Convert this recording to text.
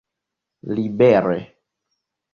libere